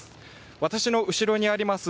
私の後ろにあります